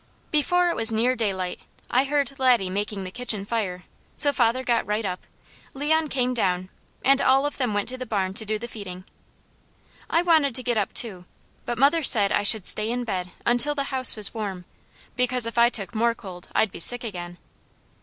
Before it was near daylight I heard Laddie making the kitchen fire, so father got right up, Leon came down, and all of them went to the barn to do the feeding. I wanted to get up too, but mother said I should stay in bed until the house was warm, because if I took more cold I'd be sick again.